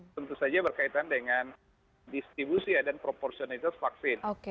tentu saja berkaitan dengan distribusi dan proporsionalitas vaksin